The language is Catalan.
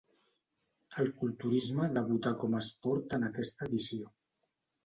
El culturisme debutà com a esport en aquesta edició.